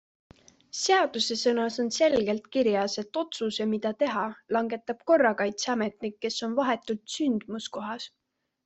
Seadusesõnas on selgelt kirjas, et otsuse, mida teha, langetab korrakaitseametnik, kes on vahetult sündmuskohas.